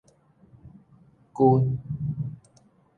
鈞